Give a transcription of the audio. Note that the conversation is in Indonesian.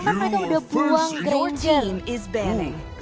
mereka udah buang granger